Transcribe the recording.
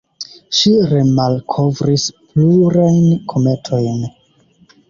Ŝi remalkovris plurajn kometojn.